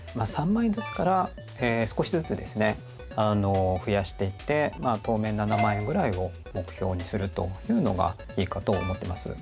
３万円ずつから少しずつですね増やしていって当面７万円ぐらいを目標にするというのがいいかと思ってます。